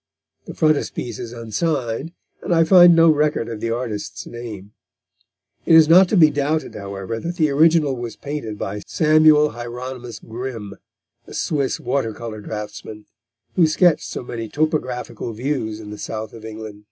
The frontispiece is unsigned, and I find no record of the artist's name. It is not to be doubted, however, that the original was painted by Samuel Hieronymus Grimm, the Swiss water colour draughtsman, who sketched so many topographical views in the South of England.